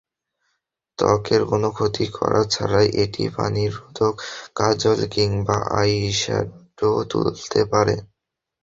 ত্বকের কোনো ক্ষতি করা ছাড়াই এটি পানিরোধক কাজল কিংবা আইশ্যাডো তুলতে পারে।